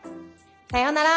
さようなら。